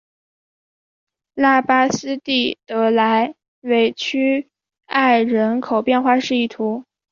拉巴斯蒂德莱韦屈埃人口变化图示